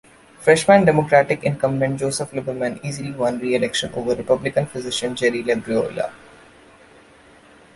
Freshman Democratic incumbent Joseph Lieberman easily won reelection over Republican physician Jerry Labriola.